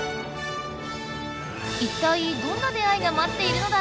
いったいどんな出会いがまっているのだろう。